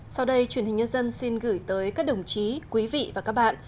sau đây truyền hình nhân dân xin gửi tới các đồng chí quý vị và các bạn